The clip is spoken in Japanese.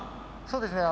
そうですね